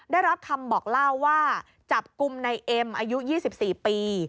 ได้รับคำบอกเล่าว่าจับกลุ่มในเอ็มอายุ๒๔ปี